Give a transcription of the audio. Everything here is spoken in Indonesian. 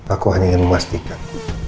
aku hanya ingin memastikan